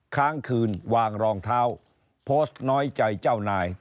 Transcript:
ค้างคืนวางรองเท้าโพสต์น้อยใจเจ้านาย